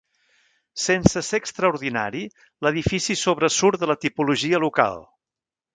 Sense ser extraordinari, l'edifici sobresurt de la tipologia local.